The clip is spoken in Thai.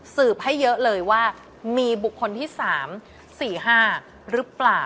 สืบให้เยอะเลยว่ามีบุคคลที่๓๔๕หรือเปล่า